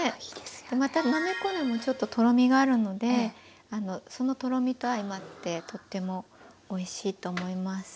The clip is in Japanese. またなめこにもちょっととろみがあるのでそのとろみと相まってとってもおいしいと思います。